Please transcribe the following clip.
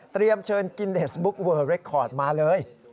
เตรียมเชิญกินเดสบุ๊คเวิร์ดเรคอร์ดมาเลย